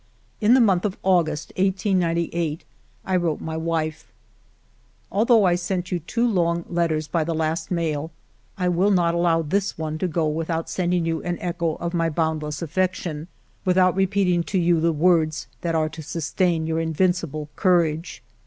In the month of August, 1898, I wrote my wife :—" Although I sent you two long letters by the last mail, I will not allow this one to go without sending you an echo of my boundless affection, without repeating to you the words that are to sustain your invincible courage.